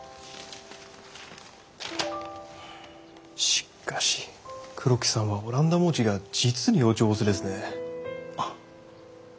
しかし黒木さんはオランダ文字が実にお上手ですね。